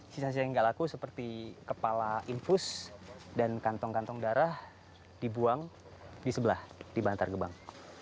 sisa sisa yang gak laku seperti kepala infus dan kantong kantong darah dibuang di sebelah di bantar gebang